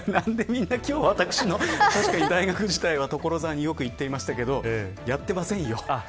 確かに、大学時代は所沢によく行ってましたけどやってませんよ。